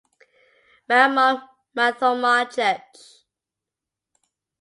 Maramon marthoma church.